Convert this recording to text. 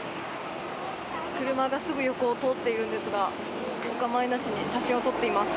車がすぐ横を通っているんですがお構いなしに写真を撮っています。